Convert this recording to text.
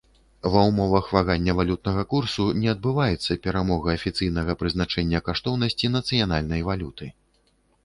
Ва ўмовах вагання валютнага курсу не адбываецца прамога афіцыйнага прызначэння каштоўнасці нацыянальнай валюты.